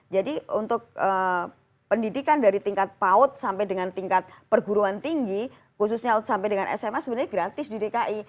jadi untuk pendidikan dari tingkat paut sampai dengan tingkat perguruan tinggi khususnya sampai dengan sma sebenarnya gratis di dki